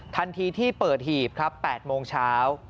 ทันทีที่เปิดหีบครับ๘โมงเช้า